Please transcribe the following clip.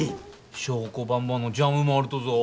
祥子ばんばのジャムもあるとぞぉ。